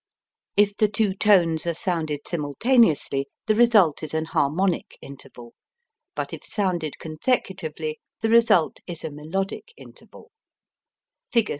If the two tones are sounded simultaneously the result is an harmonic interval, but if sounded consecutively the result is a melodic interval. Fig.